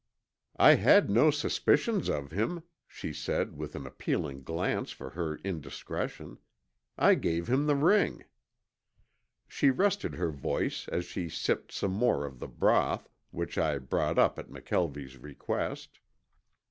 "I had no suspicions of him," she said with an appealing glance for her indiscretion. "I gave him the ring." She rested her voice as she sipped some more of the broth, which I brought up at McKelvie's request.